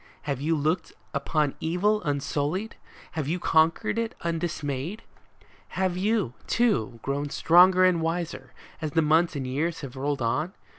Have you looked upon evil unsullied ? have you conquered it undismayed ? Have you, too, grown stronger and wiser, as the months and the years have rolled on